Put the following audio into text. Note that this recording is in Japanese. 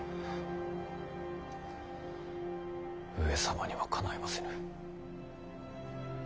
上様にはかないませぬ。